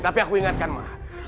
tapi aku ingatkan ma